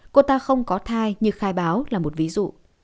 cô ta không có thai như khai báo là một ví dụ